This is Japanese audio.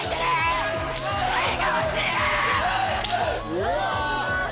うわ！